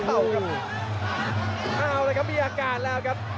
อ้าวเลยครับมีอาการแล้วครับ